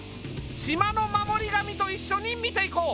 島の守り神と一緒に見ていこう。